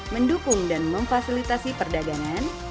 mendukung dan memfasilitasi perdagangan